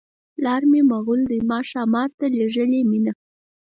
پلار مې مغل دی ما ښامار ته لېږي مینه.